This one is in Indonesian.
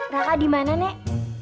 raka di mana nek